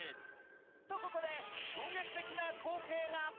と、ここで衝撃的な光景が。